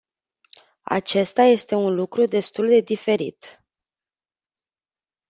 Acesta este un lucru destul de diferit.